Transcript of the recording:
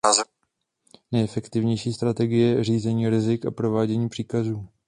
Nejefektivnější strategie řízení rizik a provádění příkazů.